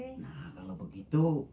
nah kalo begitu